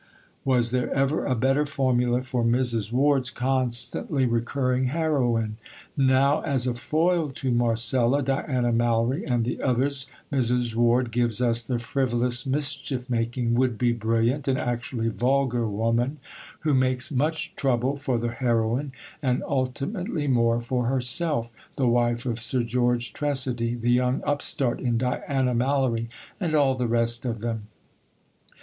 Was there ever a better formula for Mrs. Ward's constantly recurring heroine? Now, as a foil to Marcella, Diana Mallory, and the others, Mrs. Ward gives us the frivolous, mischief making, would be brilliant, and actually vulgar woman, who makes much trouble for the heroine and ultimately more for herself the wife of Sir George Tressady, the young upstart in Diana Mallory, and all the rest of them.